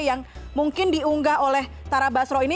yang mungkin diunggah oleh tara basro ini